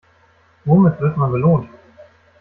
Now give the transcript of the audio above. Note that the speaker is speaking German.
Womit wird man belohnt?